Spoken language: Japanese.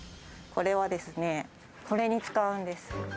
これはですね、これに使うんです。